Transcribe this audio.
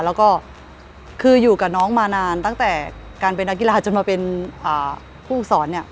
แล้วก็คืออยู่กับน้องมานานตั้งแต่การเป็นนักกีฬาจนมาเป็นผู้ฝึกสอนเนี่ย